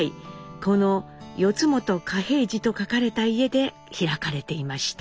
この「四元嘉平次」と書かれた家で開かれていました。